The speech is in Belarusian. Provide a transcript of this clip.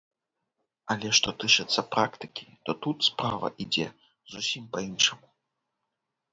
Але што тычыцца практыкі, то тут справа ідзе зусім па-іншаму.